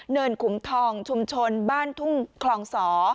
ขุมทองชุมชนบ้านทุ่งคลองสอ